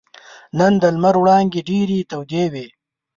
نن د لمر وړانګې ډېرې تودې وې.